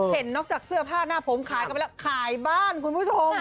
เห็นนอกจากเสื้อผ้าหน้าผมขายกันไปแล้วขายบ้านคุณผู้ชม